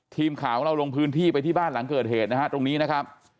ทีมข่าวของเราลงพื้นที่ไปที่บ้านหลังเกิดเหตุนะฮะตรงนี้นะครับ